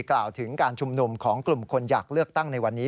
กล่าวถึงการชุมนุมของกลุ่มคนอยากเลือกตั้งในวันนี้